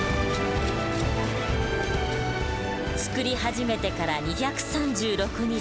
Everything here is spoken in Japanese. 造り始めてから２３６日。